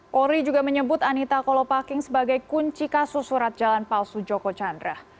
polri juga menyebut anita kolopaking sebagai kunci kasus surat jalan palsu joko chandra